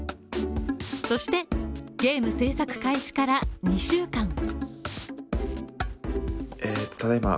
そして、ゲーム制作開始から２週間。